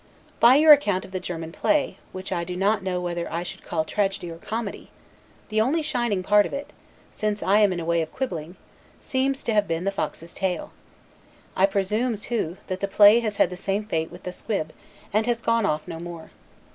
By your account of the German play, which I do not know whether I should call tragedy or comedy, the only shining part of it (since I am in a way of quibbling) seems to have been the fox's tail. I presume, too, that the play has had the same fate with the squib, and has gone off no more.